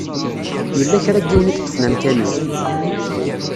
Yella kra n yiwen i yeṭṭfen amkan-iw.